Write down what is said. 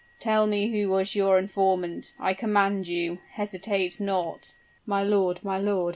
Tell me who was your informant I command you hesitate not " "My lord! my lord!"